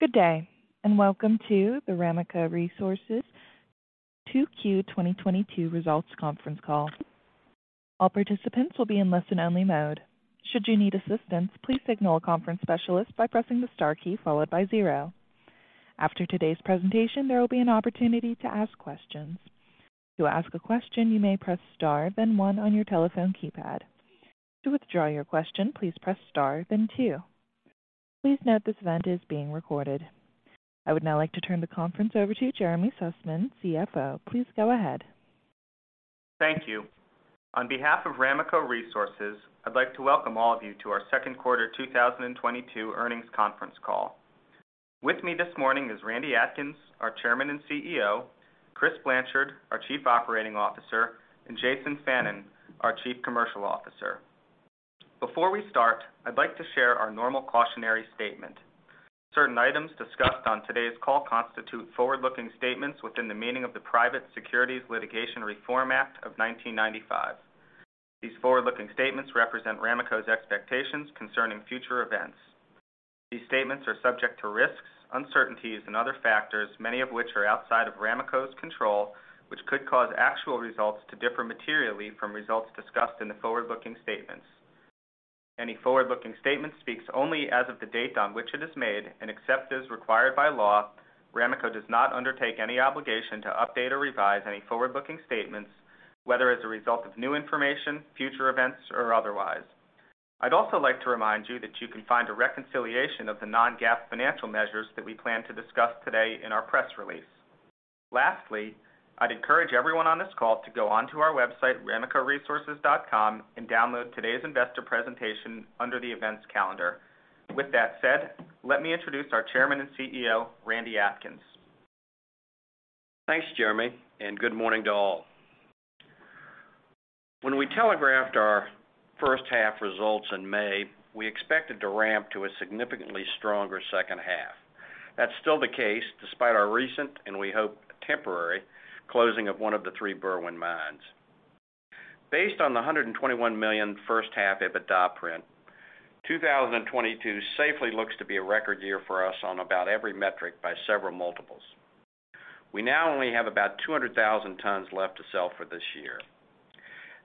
Good day, and welcome to the Ramaco Resources 2Q 2022 results conference call. All participants will be in listen-only mode. Should you need assistance, please signal a conference specialist by pressing the star key followed by zero. After today's presentation, there will be an opportunity to ask questions. To ask a question, you may press star, then one on your telephone keypad. To withdraw your question, please press star, then two. Please note this event is being recorded. I would now like to turn the conference over to Jeremy Sussman, CFO. Please go ahead. Thank you. On behalf of Ramaco Resources, I'd like to welcome all of you to our second quarter 2022 earnings conference call. With me this morning is Randy Atkins, our Chairman and CEO, Chris Blanchard, our Chief Operating Officer, and Jason Fannin, our Chief Commercial Officer. Before we start, I'd like to share our normal cautionary statement. Certain items discussed on today's call constitute forward-looking statements within the meaning of the Private Securities Litigation Reform Act of 1995. These forward-looking statements represent Ramaco's expectations concerning future events. These statements are subject to risks, uncertainties, and other factors, many of which are outside of Ramaco's control, which could cause actual results to differ materially from results discussed in the forward-looking statements. Any forward-looking statement speaks only as of the date on which it is made, and except as required by law, Ramaco does not undertake any obligation to update or revise any forward-looking statements, whether as a result of new information, future events, or otherwise. I'd also like to remind you that you can find a reconciliation of the non-GAAP financial measures that we plan to discuss today in our press release. Lastly, I'd encourage everyone on this call to go onto our website, ramacoresources.com, and download today's investor presentation under the events calendar. With that said, let me introduce our Chairman and CEO, Randy Atkins. Thanks, Jeremy, and good morning to all. When we telegraphed our first half results in May, we expected to ramp to a significantly stronger second half. That's still the case despite our recent, and we hope, temporary closing of one of the three Berwind mines. Based on the $121 million first half EBITDA print, 2022 safely looks to be a record year for us on about every metric by several multiples. We now only have about 200,000 tons left to sell for this year.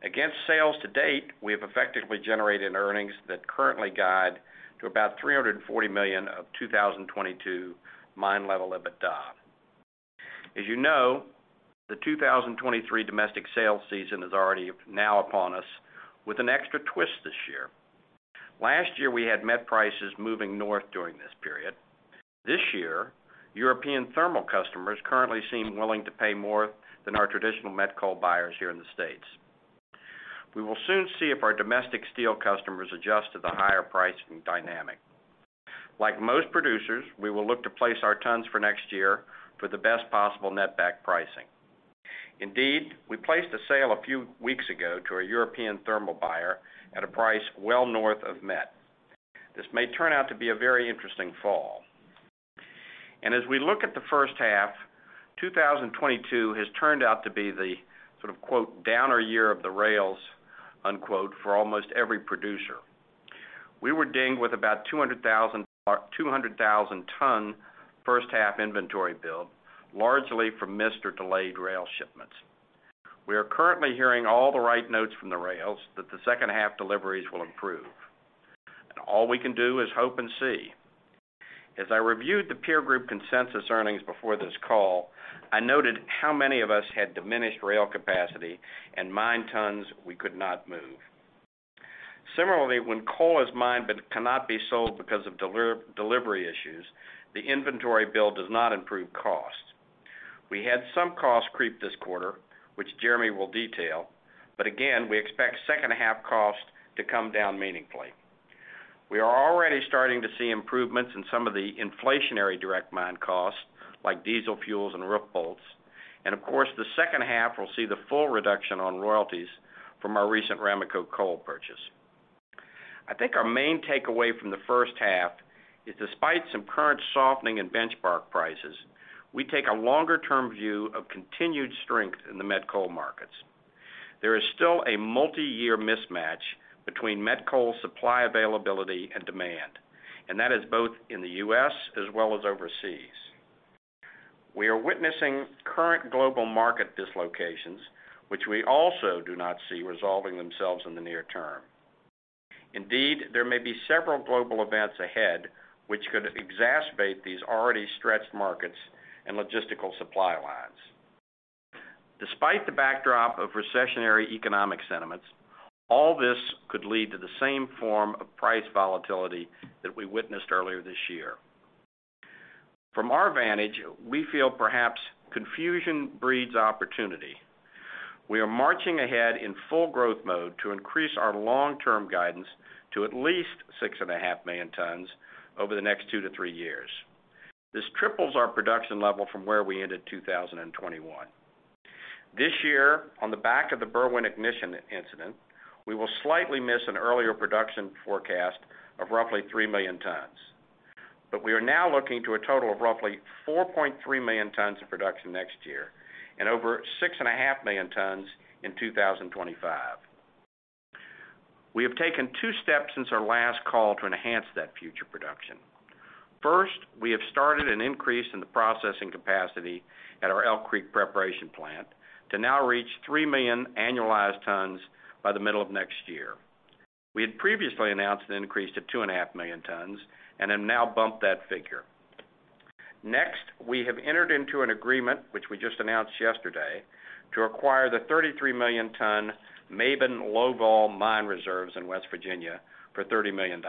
Against sales to date, we have effectively generated earnings that currently guide to about $340 million of 2022 mine level of EBITDA. As you know, the 2023 domestic sales season is already now upon us with an extra twist this year. Last year, we had met prices moving north during this period. This year, European thermal customers currently seem willing to pay more than our traditional met coal buyers here in the States. We will soon see if our domestic steel customers adjust to the higher pricing dynamic. Like most producers, we will look to place our tons for next year for the best possible net back pricing. Indeed, we placed a sale a few weeks ago to a European thermal buyer at a price well north of met. This may turn out to be a very interesting fall. As we look at the first half, 2022 has turned out to be the sort of, quote, downer year of the rails, unquote, for almost every producer. We were dinged with about 200,000-ton first half inventory build, largely from missed or delayed rail shipments. We are currently hearing all the right notes from the rails that the second half deliveries will improve. All we can do is hope and see. As I reviewed the peer group consensus earnings before this call, I noted how many of us had diminished rail capacity and mined tons we could not move. Similarly, when coal is mined but cannot be sold because of delivery issues, the inventory build does not improve cost. We had some cost creep this quarter, which Jeremy will detail, but again, we expect second half cost to come down meaningfully. We are already starting to see improvements in some of the inflationary direct mine costs, like diesel fuels and roof bolts. Of course, the second half will see the full reduction on royalties from our recent Ramaco Coal purchase. I think our main takeaway from the first half is despite some current softening in benchmark prices, we take a longer-term view of continued strength in the met coal markets. There is still a multi-year mismatch between met coal supply availability and demand, and that is both in the U.S. as well as overseas. We are witnessing current global market dislocations, which we also do not see resolving themselves in the near term. Indeed, there may be several global events ahead which could exacerbate these already stretched markets and logistical supply lines. Despite the backdrop of recessionary economic sentiments, all this could lead to the same form of price volatility that we witnessed earlier this year. From our vantage, we feel perhaps confusion breeds opportunity. We are marching ahead in full growth mode to increase our long-term guidance to at least 6.5 million tons over the next 2-3 years. This triples our production level from where we ended 2021. This year, on the back of the Berwind ignition incident, we will slightly miss an earlier production forecast of roughly 3 million tons. We are now looking to a total of roughly 4.3 million tons of production next year and over 6.5 million tons in 2025. We have taken two steps since our last call to enhance that future production. First, we have started an increase in the processing capacity at our Elk Creek preparation plant to now reach 3 million annualized tons by the middle of next year. We had previously announced an increase to 2.5 million tons and have now bumped that figure. Next, we have entered into an agreement, which we just announced yesterday, to acquire the 33 million ton Maben Coal mine reserves in West Virginia for $30 million.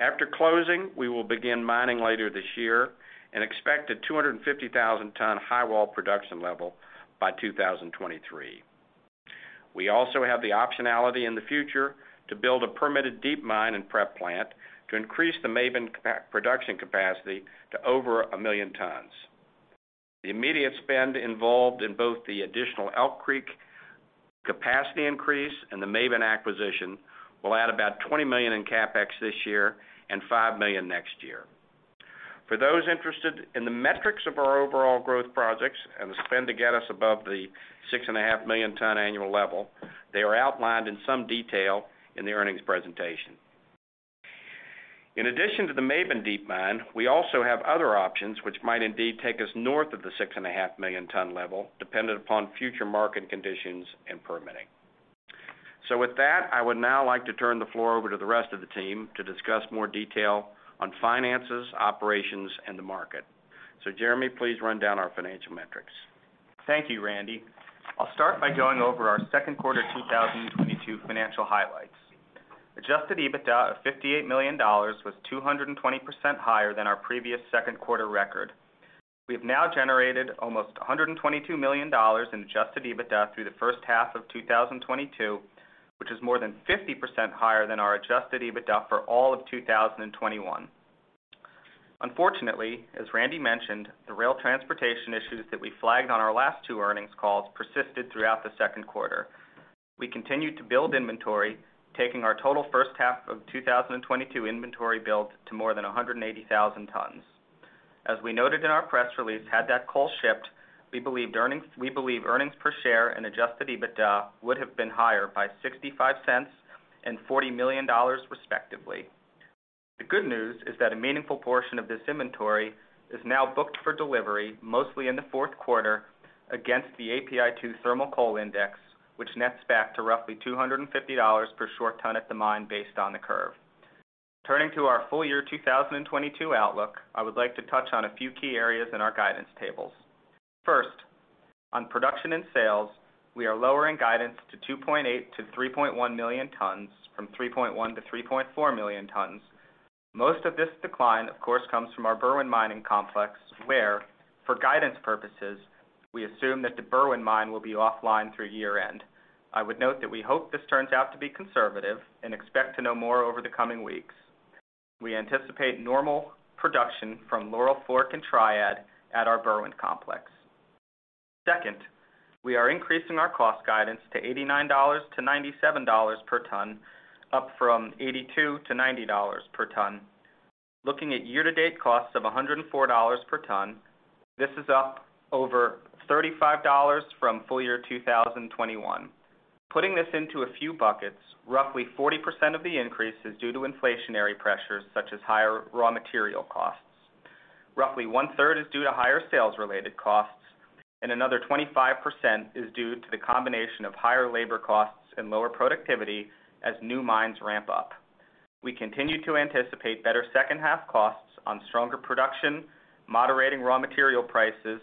After closing, we will begin mining later this year and expect a 250,000 ton highwall production level by 2023. We also have the optionality in the future to build a permitted deep mine and prep plant to increase the Maben production capacity to over 1 million tons. The immediate spend involved in both the additional Elk Creek capacity increase and the Maben acquisition will add about $20 million in CapEx this year and $5 million next year. For those interested in the metrics of our overall growth projects and the spend to get us above the 6.5 million ton annual level, they are outlined in some detail in the earnings presentation. In addition to the Maben deep mine, we also have other options which might indeed take us north of the 6.5 million ton level, dependent upon future market conditions and permitting. With that, I would now like to turn the floor over to the rest of the team to discuss more detail on finances, operations, and the market. Jeremy, please run down our financial metrics. Thank you, Randy. I'll start by going over our second quarter 2022 financial highlights. Adjusted EBITDA of $58 million was 220% higher than our previous second quarter record. We have now generated almost $122 million in adjusted EBITDA through the first half of 2022, which is more than 50% higher than our adjusted EBITDA for all of 2021. Unfortunately, as Randy mentioned, the rail transportation issues that we flagged on our last two earnings calls persisted throughout the second quarter. We continued to build inventory, taking our total first half of 2022 inventory build to more than 180,000 tons. As we noted in our press release, had that coal shipped, we believe earnings per share and adjusted EBITDA would have been higher by $0.65 and $40 million, respectively. The good news is that a meaningful portion of this inventory is now booked for delivery mostly in the fourth quarter against the API2 Thermal Coal Index, which nets back to roughly $250 per short ton at the mine based on the curve. Turning to our full year 2022 outlook, I would like to touch on a few key areas in our guidance tables. First, on production and sales, we are lowering guidance to 2.8-3.1 million tons from 3.1-3.4 million tons. Most of this decline, of course, comes from our Berwind mining complex, where, for guidance purposes, we assume that the Berwind mine will be offline through year-end. I would note that we hope this turns out to be conservative and expect to know more over the coming weeks. We anticipate normal production from Laurel Fork and Triad at our Berwind complex. Second, we are increasing our cost guidance to $89-$97 per ton, up from $82-$90 per ton. Looking at year-to-date costs of $104 per ton, this is up over $35 from full year 2021. Putting this into a few buckets, roughly 40% of the increase is due to inflationary pressures such as higher raw material costs. Roughly one-third is due to higher sales-related costs, and another 25% is due to the combination of higher labor costs and lower productivity as new mines ramp up. We continue to anticipate better second half costs on stronger production, moderating raw material prices,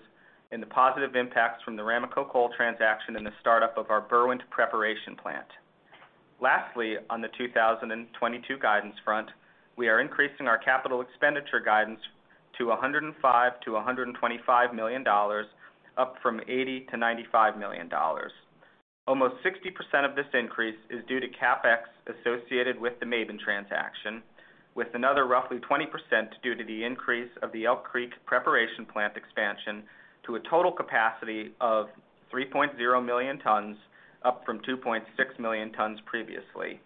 and the positive impacts from the Ramaco Coal transaction and the startup of our Berwind preparation plant. Lastly, on the 2022 guidance front, we are increasing our capital expenditure guidance to $105-$125 million, up from $80-$95 million. Almost 60% of this increase is due to CapEx associated with the Maben transaction, with another roughly 20% due to the increase of the Elk Creek preparation plant expansion to a total capacity of 3.0 million tons, up from 2.6 million tons previously.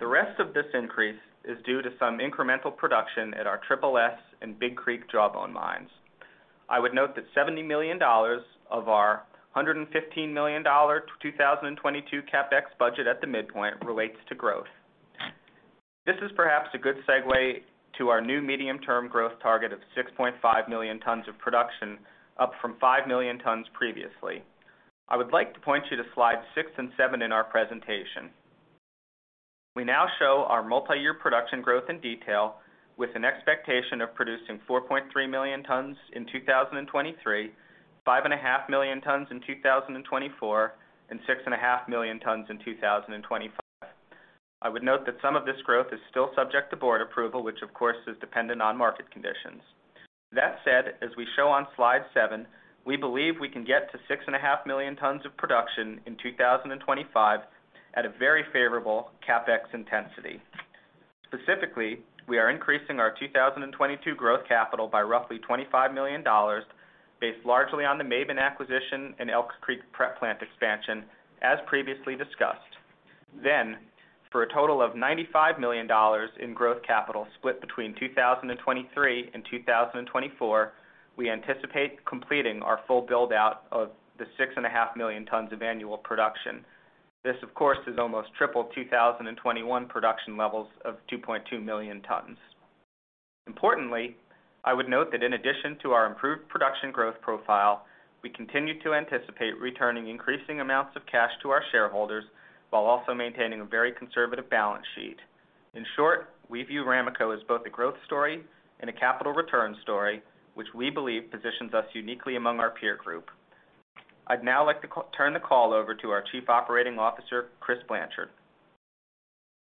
The rest of this increase is due to some incremental production at our Triple S and Big Creek Jawbone mines. I would note that $70 million of our $115 million 2022 CapEx budget at the midpoint relates to growth. This is perhaps a good segue to our new medium-term growth target of 6.5 million tons of production, up from 5 million tons previously. I would like to point you to slides 6 and 7 in our presentation. We now show our multiyear production growth in detail with an expectation of producing 4.3 million tons in 2023, 5.5 million tons in 2024, and 6.5 million tons in 2025. I would note that some of this growth is still subject to board approval, which of course is dependent on market conditions. That said, as we show on slide 7, we believe we can get to 6.5 million tons of production in 2025 at a very favorable CapEx intensity. Specifically, we are increasing our 2022 growth capital by roughly $25 million based largely on the Maben acquisition and Elk Creek prep plant expansion, as previously discussed. For a total of $95 million in growth capital split between 2023 and 2024, we anticipate completing our full build-out of the 6.5 million tons of annual production. This, of course, is almost triple 2021 production levels of 2.2 million tons. Importantly, I would note that in addition to our improved production growth profile, we continue to anticipate returning increasing amounts of cash to our shareholders while also maintaining a very conservative balance sheet. In short, we view Ramaco as both a growth story and a capital return story, which we believe positions us uniquely among our peer group. I'd now like to turn the call over to our Chief Operating Officer, Chris Blanchard.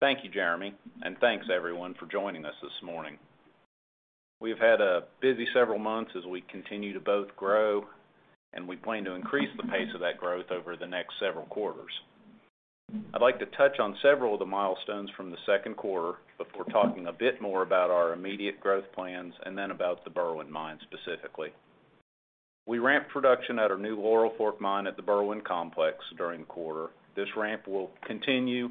Thank you, Jeremy, and thanks, everyone, for joining us this morning. We've had a busy several months as we continue to both grow, and we plan to increase the pace of that growth over the next several quarters. I'd like to touch on several of the milestones from the second quarter before talking a bit more about our immediate growth plans and then about the Berwind mine, specifically. We ramped production at our new Laurel Fork mine at the Berwind Complex during the quarter. This ramp will continue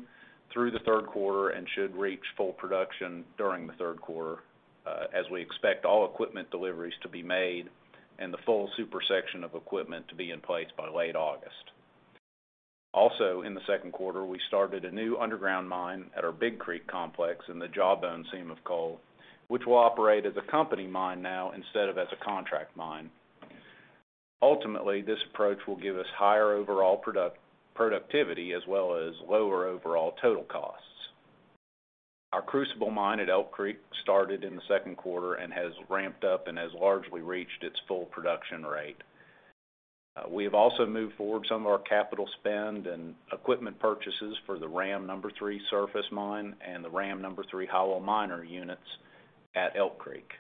through the third quarter and should reach full production during the third quarter, as we expect all equipment deliveries to be made and the full super section of equipment to be in place by late August. Also, in the second quarter, we started a new underground mine at our Big Creek complex in the Jawbone seam of coal, which will operate as a company mine now instead of as a contract mine. Ultimately, this approach will give us higher overall productivity as well as lower overall total costs. Our Crucible mine at Elk Creek started in the second quarter and has ramped up and has largely reached its full production rate. We have also moved forward some of our capital spend and equipment purchases for the Ram Number Three surface mine and the Ram Number Three highwall miner units at Elk Creek.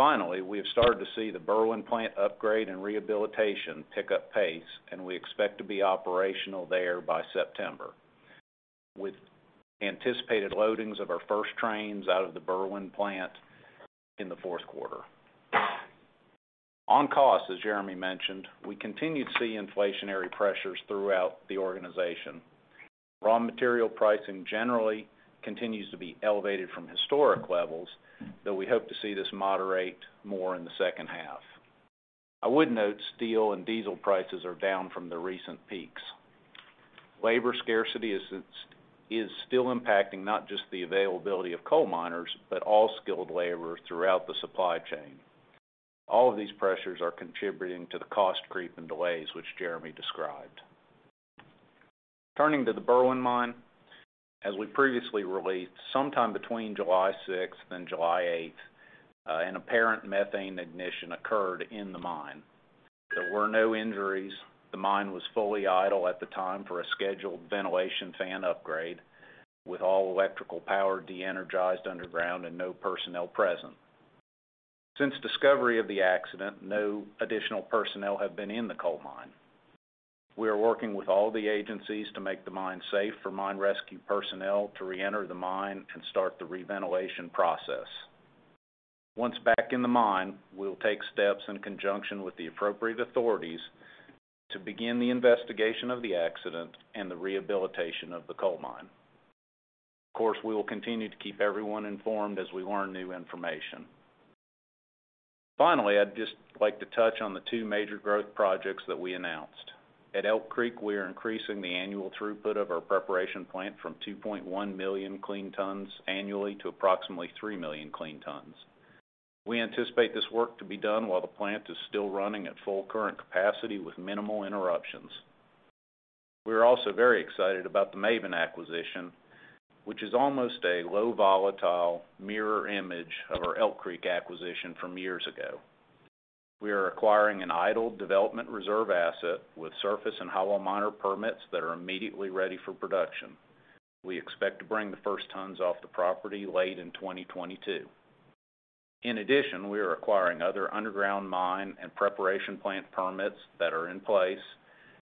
Finally, we have started to see the Berwind plant upgrade and rehabilitation pick up pace, and we expect to be operational there by September, with anticipated loadings of our first trains out of the Berwind plant in the fourth quarter. On cost, as Jeremy mentioned, we continued to see inflationary pressures throughout the organization. Raw material pricing generally continues to be elevated from historic levels, though we hope to see this moderate more in the second half. I would note steel and diesel prices are down from their recent peaks. Labor scarcity is still impacting not just the availability of coal miners, but all skilled laborers throughout the supply chain. All of these pressures are contributing to the cost creep and delays which Jeremy described. Turning to the Berwind mine, as we previously released, sometime between July 6 and July 8, an apparent methane ignition occurred in the mine. There were no injuries. The mine was fully idle at the time for a scheduled ventilation fan upgrade, with all electrical power de-energized underground and no personnel present. Since discovery of the accident, no additional personnel have been in the coal mine. We are working with all the agencies to make the mine safe for mine rescue personnel to reenter the mine and start the re-ventilation process. Once back in the mine, we will take steps in conjunction with the appropriate authorities to begin the investigation of the accident and the rehabilitation of the coal mine. Of course, we will continue to keep everyone informed as we learn new information. Finally, I'd just like to touch on the two major growth projects that we announced. At Elk Creek, we are increasing the annual throughput of our preparation plant from 2.1 million clean tons annually to approximately 3 million clean tons. We anticipate this work to be done while the plant is still running at full current capacity with minimal interruptions. We are also very excited about the Maben acquisition, which is almost a low volatile mirror image of our Elk Creek acquisition from years ago. We are acquiring an idled development reserve asset with surface and highwall miner permits that are immediately ready for production. We expect to bring the first tons off the property late in 2022. In addition, we are acquiring other underground mine and preparation plant permits that are in place,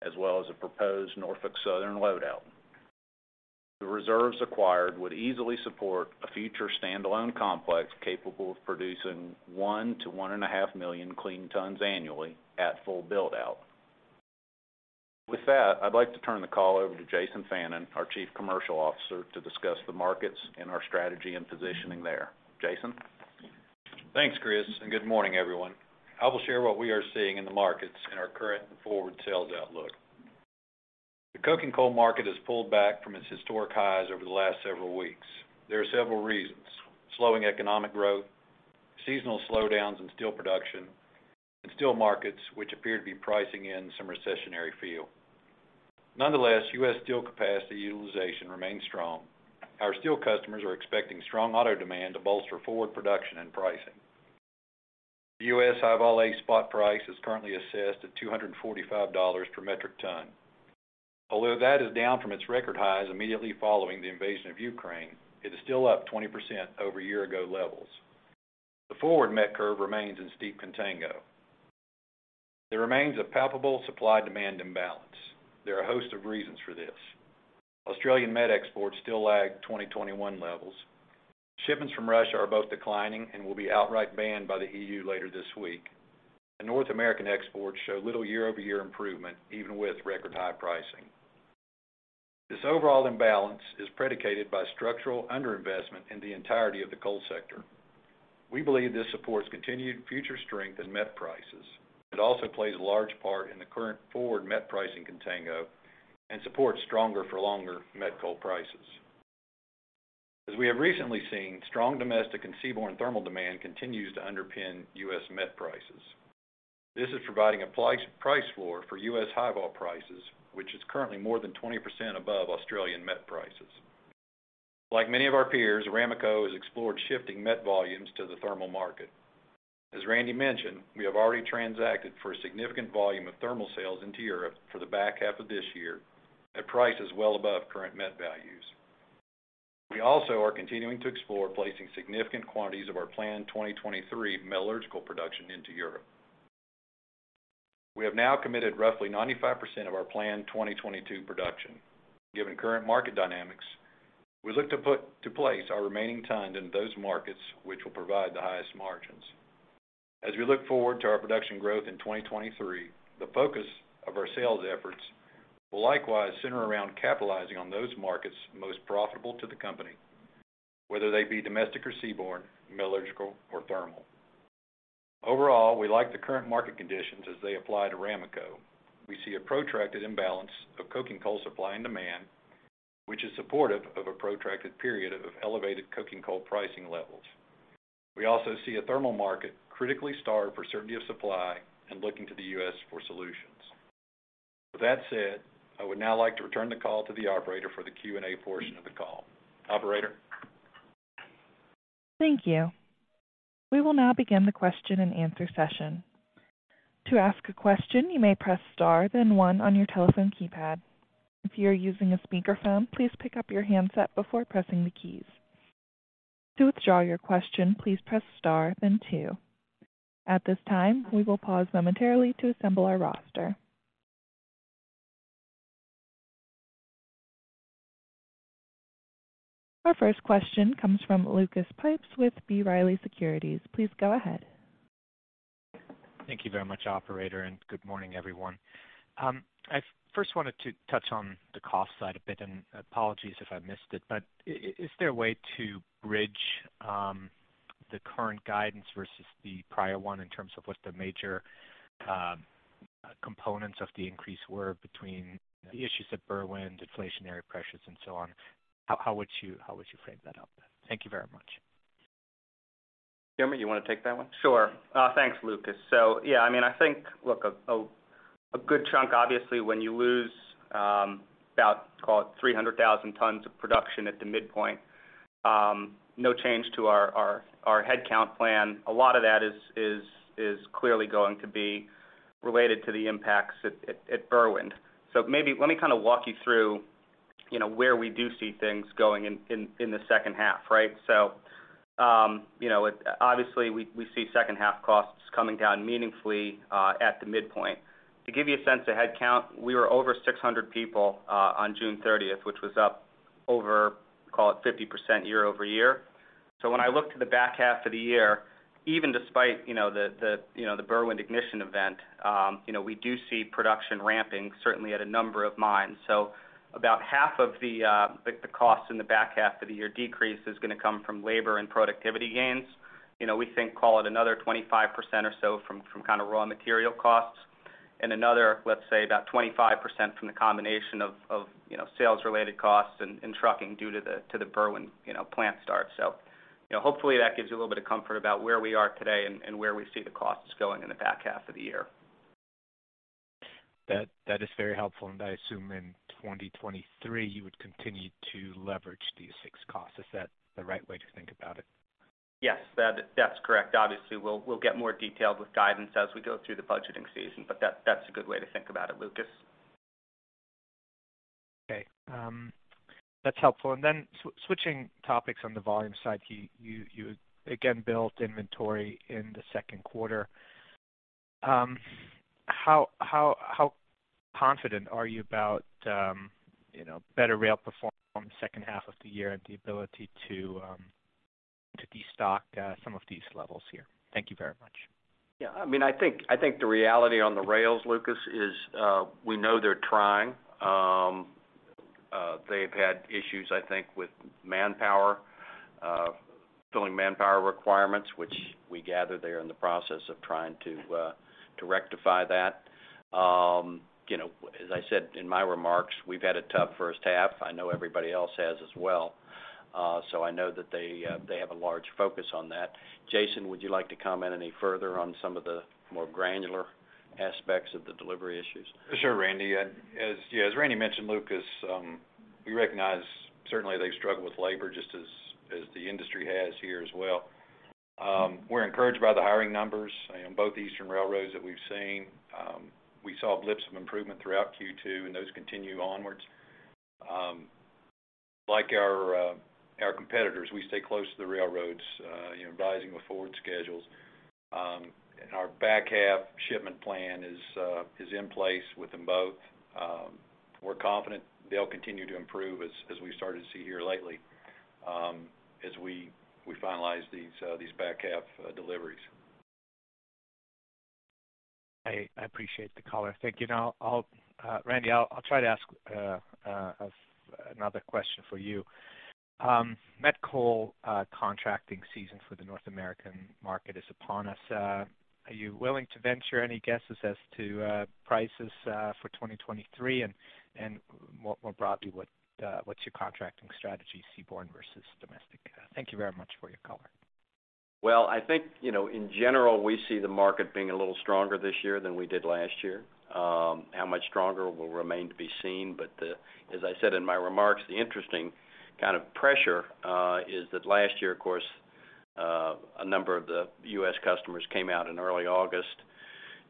as well as a proposed Norfolk Southern load-out. The reserves acquired would easily support a future standalone complex capable of producing 1-1.5 million clean tons annually at full build-out. With that, I'd like to turn the call over to Jason Fannin, our Chief Commercial Officer, to discuss the markets and our strategy and positioning there. Jason? Thanks, Chris, and good morning, everyone. I will share what we are seeing in the markets and our current forward sales outlook. The coking coal market has pulled back from its historic highs over the last several weeks. There are several reasons, slowing economic growth, seasonal slowdowns in steel production, and steel markets, which appear to be pricing in some recessionary feel. Nonetheless, U.S. steel capacity utilization remains strong. Our steel customers are expecting strong auto demand to bolster forward production and pricing. The U.S. High-Vol A spot price is currently assessed at $245 per metric ton. Although that is down from its record highs immediately following the invasion of Ukraine, it is still up 20% over year ago levels. The forward met curve remains in steep contango. There remains a palpable supply-demand imbalance. There are a host of reasons for this. Australian met exports still lag 2021 levels. Shipments from Russia are both declining and will be outright banned by the EU later this week. The North American exports show little year-over-year improvement even with record high pricing. This overall imbalance is predicated by structural under-investment in the entirety of the coal sector. We believe this supports continued future strength in met prices. It also plays a large part in the current forward met pricing contango and supports stronger for longer met coal prices. As we have recently seen, strong domestic and seaborne thermal demand continues to underpin US met prices. This is providing a price floor for US high vol prices, which is currently more than 20% above Australian met prices. Like many of our peers, Ramaco has explored shifting met volumes to the thermal market. As Randy mentioned, we have already transacted for a significant volume of thermal sales into Europe for the back half of this year at prices well above current met values. We also are continuing to explore placing significant quantities of our planned 2023 metallurgical production into Europe. We have now committed roughly 95% of our planned 2022 production. Given current market dynamics, we look to put in place our remaining tonnage in those markets which will provide the highest margins. As we look forward to our production growth in 2023, the focus of our sales efforts will likewise center around capitalizing on those markets most profitable to the company, whether they be domestic or seaborne, metallurgical or thermal. Overall, we like the current market conditions as they apply to Ramaco. We see a protracted imbalance of coking coal supply and demand, which is supportive of a protracted period of elevated coking coal pricing levels. We also see a thermal market critically starved for certainty of supply and looking to the U.S. for solutions. With that said, I would now like to return the call to the operator for the Q&A portion of the call. Operator? Thank you. We will now begin the question-and-answer session. To ask a question, you may press star then one on your telephone keypad. If you are using a speakerphone, please pick up your handset before pressing the keys. To withdraw your question, please press star then two. At this time, we will pause momentarily to assemble our roster. Our first question comes from Lucas Pipes with B. Riley Securities. Please go ahead. Thank you very much, operator, and good morning, everyone. I first wanted to touch on the cost side a bit, and apologies if I missed it, but is there a way to bridge the current guidance versus the prior one in terms of what the major components of the increase were between the issues at Berwind, inflationary pressures, and so on? How would you frame that up? Thank you very much. Jeremy, you wanna take that one? Sure. Thanks, Lucas. Yeah, I mean, I think, look, a good chunk, obviously, when you lose about, call it 300,000 tons of production at the midpoint, no change to our headcount plan. A lot of that is clearly going to be related to the impacts at Berwind. Maybe let me kinda walk you through where we do see things going in the second half, right? You know, obviously, we see second half costs coming down meaningfully at the midpoint. To give you a sense of headcount, we were over 600 people on June 30, which was up over, call it 50% year-over-year. When I look to the back half of the year, even despite the Berwind ignition event, we do see production ramping certainly at a number of mines. About half of the cost in the back half of the year decrease is gonna come from labor and productivity gains. You know, we think call it another 25% or so from kinda raw material costs and another, let's say about 25% from the combination of sales-related costs and trucking due to the Berwind plant start. You know, hopefully that gives you a little bit of comfort about where we are today and where we see the costs going in the back half of the year. That is very helpful. I assume in 2023, you would continue to leverage these fixed costs. Is that the right way to think about it? Yes, that's correct. Obviously, we'll get more detailed with guidance as we go through the budgeting season, but that's a good way to think about it, Lucas. Okay, that's helpful. Switching topics on the volume side. You again built inventory in the second quarter. How confident are you about better rail performance second half of the year and the ability to destock some of these levels here? Thank you very much. Yeah, I mean, I think the reality on the rails, Lucas, is we know they're trying. They've had issues, I think, with manpower filling manpower requirements, which we gather they are in the process of trying to rectify that. You know, as I said in my remarks, we've had a tough first half. I know everybody else has as well, so I know that they have a large focus on that. Jason, would you like to comment any further on some of the more granular aspects of the delivery issues? Sure, Randy. As Randy mentioned, Lucas, we recognize certainly they've struggled with labor just as the industry has here as well. We're encouraged by the hiring numbers in both the eastern railroads that we've seen. We saw blips of improvement throughout Q2, and those continue onwards. Like our competitors, we stay close to the railroads. You know, advising with forward schedules. Our back half shipment plan is in place with them both. We're confident they'll continue to improve as we started to see here lately, as we finalize these back half deliveries. I appreciate the call. Thank you. Now, Randy, I'll try to ask another question for you. Met coal contracting season for the North American market is upon us. Are you willing to venture any guesses as to prices for 2023? More broadly, what's your contracting strategy seaborne versus domestic? Thank you very much for your call. Well, I think in general, we see the market being a little stronger this year than we did last year. How much stronger will remain to be seen. As I said in my remarks, the interesting kind of pressure is that last year, of course, a number of the U.S. customers came out in early August.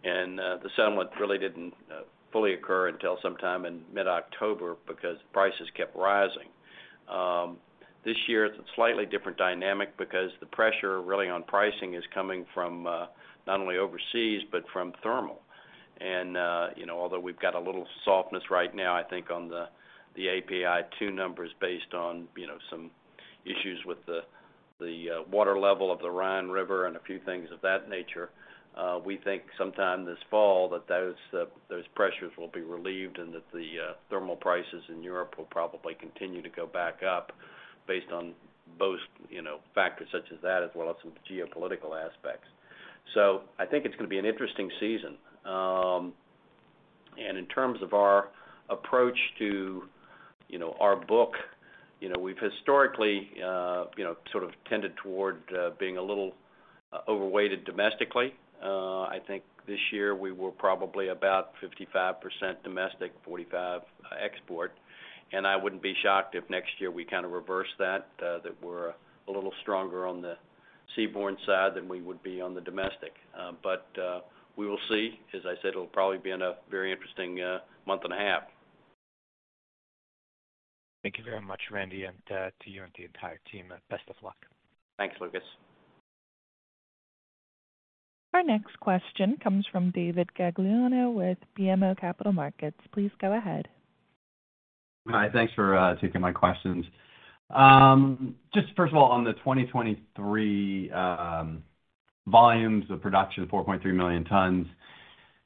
The settlement really didn't fully occur until sometime in mid-October because prices kept rising. This year it's a slightly different dynamic because the pressure really on pricing is coming from not only overseas, but from thermal. You know, although we've got a little softness right now, I think on the API2 numbers based on some issues with the water level of the Rhine River and a few things of that nature. We think sometime this fall that those pressures will be relieved and that the thermal prices in Europe will probably continue to go back up based on both factors such as that, as well as some geopolitical aspects. I think it's gonna be an interesting season. In terms of our approach to our book, we've historically sort of tended toward being a little overweighted domestically. I think this year we were probably about 55% domestic, 45% export. I wouldn't be shocked if next year we kind of reverse that we're a little stronger on the seaborne side than we would be on the domestic. We will see. As I said, it'll probably be in a very interesting month and a half. Thank you very much, Randy. To you and the entire team, best of luck. Thanks, Lucas. Our next question comes from David Gagliano with BMO Capital Markets. Please go ahead. Hi. Thanks for taking my questions. Just first of all, on the 2023 volumes of production, 4.3 million tons,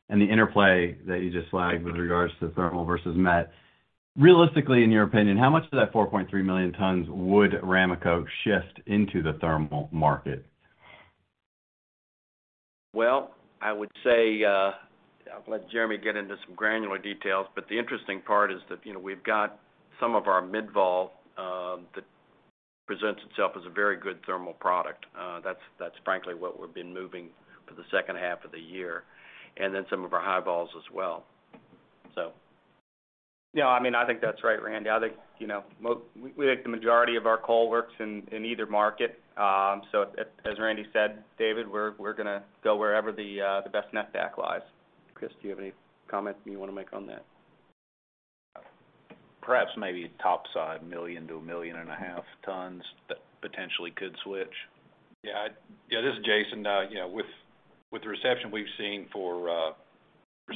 and the interplay that you just flagged with regards to thermal versus met. Realistically, in your opinion, how much of that 4.3 million tons would Ramaco shift into the thermal market? Well, I would say, I'll let Jeremy get into some granular details, but the interesting part is that we've got some of our mid-vol that presents itself as a very good thermal product. That's frankly what we've been moving for the second half of the year. Some of our high vols as well. Yeah, I mean, I think that's right, Randy. I think we think the majority of our coal works in either market. As Randy said, David, we're gonna go wherever the best netback lies. Chris, do you have any comments you wanna make on that? Perhaps maybe topside 1 million-1.5 million tons that potentially could switch. Yeah. Yeah, this is Jason. You know, with the reception we've seen for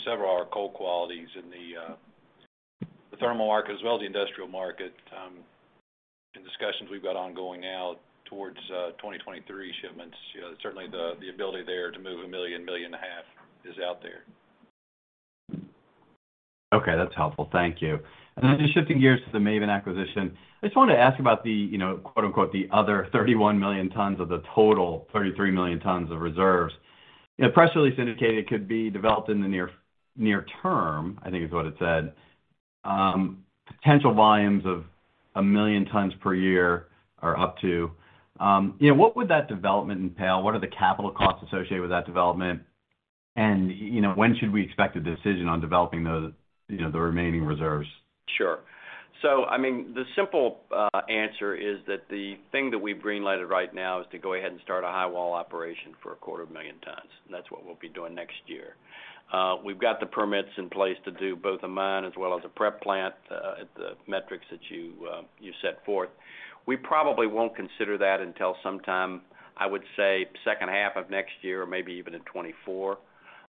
several of our coal qualities in the thermal market as well as the industrial market, in discussions we've got ongoing now towards 2023 shipments. You know, certainly the ability there to move 1 million-1.5 million is out there. Okay. That's helpful. Thank you. Just shifting gears to the Maben acquisition. I just wanted to ask about the quote, unquote, "the other 31 million tons of the total 33 million tons of reserves." The press release indicated it could be developed in the near term, I think is what it said. Potential volumes of 1 million tons per year or up to. You know, what would that development entail? What are the capital costs associated with that development? You know, when should we expect a decision on developing the the remaining reserves? Sure. I mean, the simple answer is that the thing that we've green lighted right now is to go ahead and start a highwall operation for a quarter of a million tons. That's what we'll be doing next year. We've got the permits in place to do both a mine as well as a prep plant at the metrics that you set forth. We probably won't consider that until sometime, I would say second half of next year or maybe even in 2024.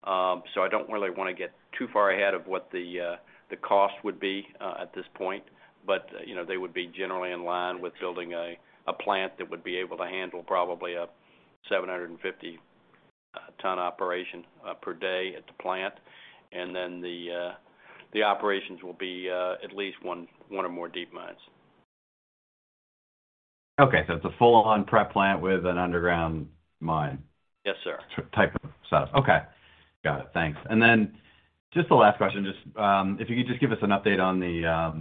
I don't really wanna get too far ahead of what the cost would be at this point. You know, they would be generally in line with building a plant that would be able to handle probably a 750-ton operation per day at the plant. The operations will be at least one or more deep mines. Okay. It's a full-on prep plant with an underground mine. Yes, sir. Type of setup. Okay. Got it. Thanks. Just the last question, if you could just give us an update on the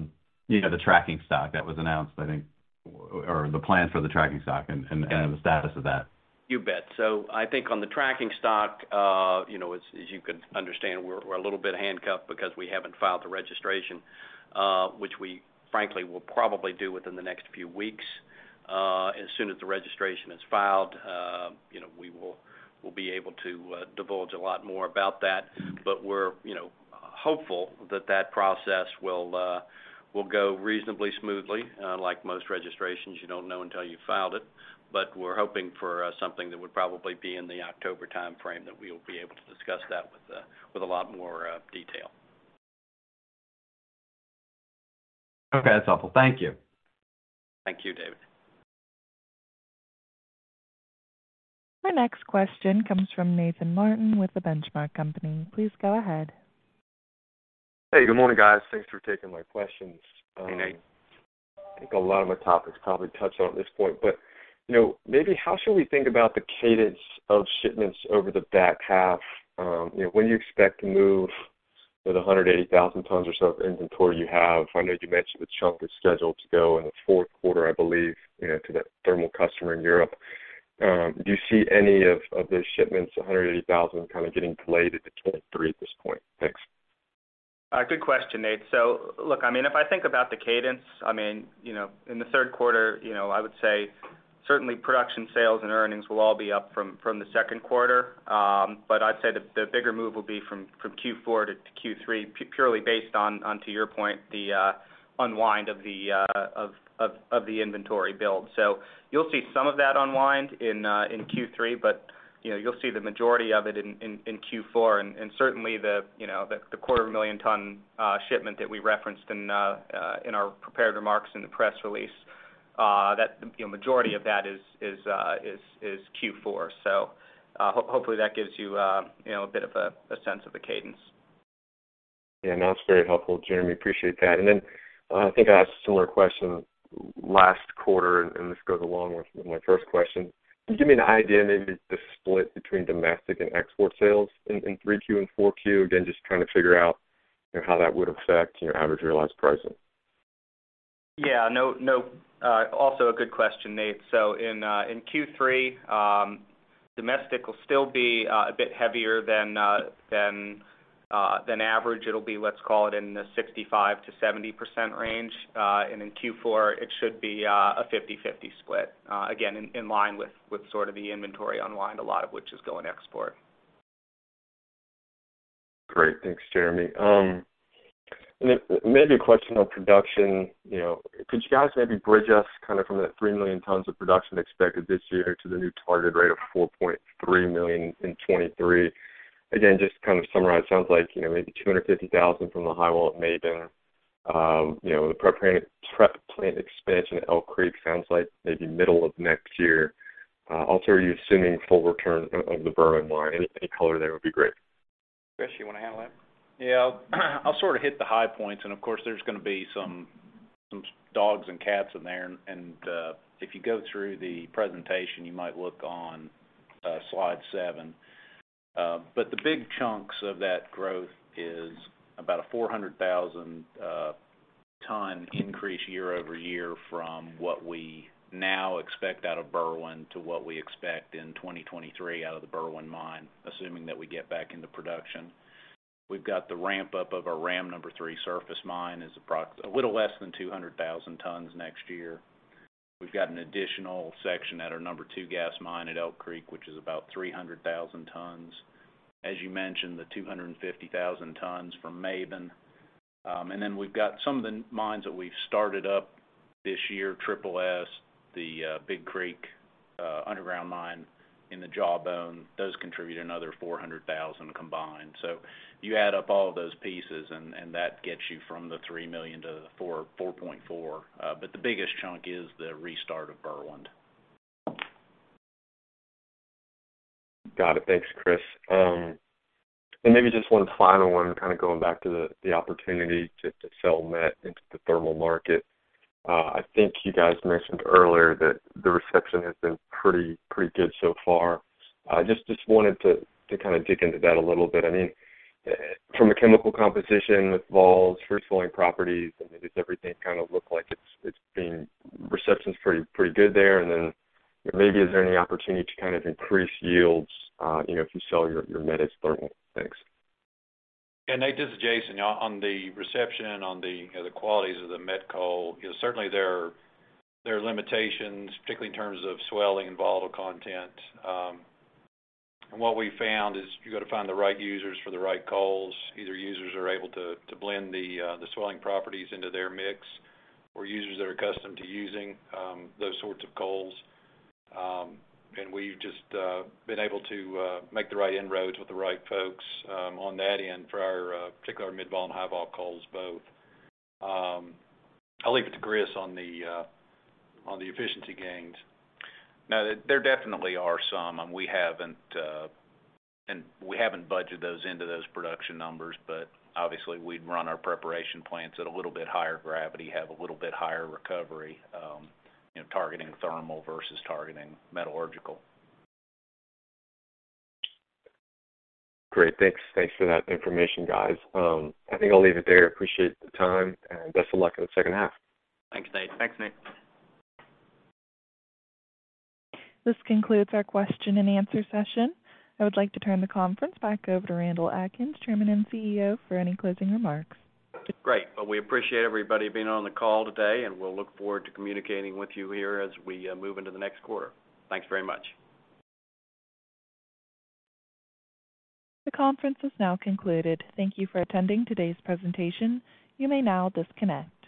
the tracking stock that was announced, I think, or the plans for the tracking stock and the status of that. You bet. I think on the tracking stock as you can understand, we're a little bit handcuffed because we haven't filed the registration, which we frankly will probably do within the next few weeks. As soon as the registration is filed, We'll be able to divulge a lot more about that, but we're hopeful that that process will go reasonably smoothly. Like most registrations, you don't know until you filed it, but we're hoping for something that would probably be in the October timeframe that we'll be able to discuss that with a lot more detail. Okay. That's helpful. Thank you. Thank you, David. Our next question comes from Nathan Martin with The Benchmark Company. Please go ahead. Hey, good morning, guys. Thanks for taking my questions. Hey, Nate. I think a lot of the topics probably touched on at this point, but maybe how should we think about the cadence of shipments over the back half? You know, when do you expect to move the 180,000 tons or so of inventory you have? I know you mentioned the chunk is scheduled to go in the fourth quarter, I believe to that thermal customer in Europe. Do you see any of the shipments, 180,000 kind of getting delayed into 2023 at this point? Thanks. Good question, Nate. Look, I mean, if I think about the cadence, I mean in the third quarter I would say certainly production, sales, and earnings will all be up from the second quarter. I'd say the bigger move will be from Q3 to Q4, purely based on to your point, the unwind of the inventory build. You'll see some of that unwind in Q3, but you know, you'll see the majority of it in Q4. Certainly the 250,000-ton shipment that we referenced in our prepared remarks in the press release, that majority of that is Q4. Hopefully that gives you know, a bit of a sense of the cadence. Yeah. No, that's very helpful, Jeremy. Appreciate that. I think I asked a similar question last quarter, and this goes along with my first question. Can you give me an idea maybe the split between domestic and export sales in 3Q and 4Q? Again, just trying to figure out how that would affect your average realized pricing. Yeah. No, no. Also a good question, Nate. In Q3, domestic will still be a bit heavier than average. It'll be, let's call it in the 65%-70% range. In Q4, it should be a 50/50 split, again in line with sort of the inventory unwind, a lot of which is going export. Great. Thanks, Jeremy. Maybe a question on production. You know, could you guys maybe bridge us kind of from that 3 million tons of production expected this year to the new target rate of 4.3 million in 2023? Again, just to kind of summarize, sounds like maybe 250,000 from the highwall at Maben. You know, the prep plant expansion at Elk Creek sounds like maybe middle of next year. Also are you assuming full return of the Berwind mine? Any color there would be great. Chris, you wanna handle that? I'll sort of hit the high points and of course there's gonna be some dogs and cats in there. If you go through the presentation, you might look on slide 7. The big chunks of that growth is about a 400,000 ton increase year-over-year from what we now expect out of Berwind to what we expect in 2023 out of the Berwind mine, assuming that we get back into production. We've got the ramp up of our Ram number 3 surface mine is a little less than 200,000 tons next year. We've got an additional section at our number 2 gas mine at Elk Creek, which is about 300,000 tons. As you mentioned, the 250,000 tons from Maben. We've got some of the mines that we've started up this year, Triple S, the Big Creek underground mine in the Jawbone. Those contribute another 400,000 combined. You add up all of those pieces and that gets you from the 3 million to 4.4. The biggest chunk is the restart of Berwind. Got it. Thanks, Chris. Maybe just one final one, kind of going back to the opportunity to sell met into the thermal market. I think you guys mentioned earlier that the reception has been pretty good so far. Just wanted to kinda dig into that a little bit. I mean, from a chemical composition with vols, free-swelling properties, I mean, does everything kinda look like it's been? Reception's pretty good there? Maybe, is there any opportunity to kind of increase yields if you sell your met as thermal? Thanks. Yeah. Nate, this is Jason. On the reception the qualities of the met coal certainly there are limitations, particularly in terms of swelling and volatile content. What we found is you gotta find the right users for the right coals. Either users who are able to blend the swelling properties into their mix or users that are accustomed to using those sorts of coals. We've just been able to make the right inroads with the right folks on that end for our particular mid-vol and high-vol coals both. I'll leave it to Chris on the efficiency gains. No, there definitely are some, and we haven't budgeted those into those production numbers. Obviously we'd run our preparation plants at a little bit higher gravity, have a little bit higher recovery targeting thermal versus targeting metallurgical. Great. Thanks. Thanks for that information, guys. I think I'll leave it there. Appreciate the time, and best of luck in the second half. Thanks, Nate. Thanks, Nate. This concludes our question and answer session. I would like to turn the conference back over to Randall Atkins, Chairman and CEO, for any closing remarks. Great. Well, we appreciate everybody being on the call today, and we'll look forward to communicating with you here as we move into the next quarter. Thanks very much. The conference is now concluded. Thank you for attending today's presentation. You may now disconnect.